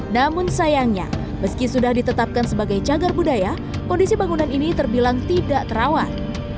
namun sayangnya meski sudah ditetapkan sebagai cagar budaya kondisi bangunan ini terbilang tidak terawat